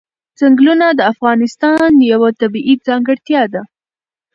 ځنګلونه د افغانستان یوه طبیعي ځانګړتیا ده.